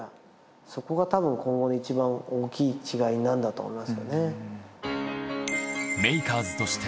そこが多分今後のいちばん大きい違いなんだと思いますよね。